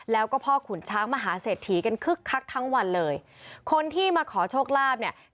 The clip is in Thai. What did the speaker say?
แล้วก็พ่อขุนช้างมหาเศรษฐีกันคึกคักทั้งวันเลยคนที่มาขอโชคลาภเนี่ย